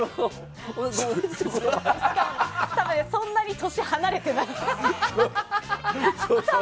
多分そんなに年離れてない。